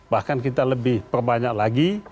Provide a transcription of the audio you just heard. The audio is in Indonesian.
bahkan kita lebih perbanyak lagi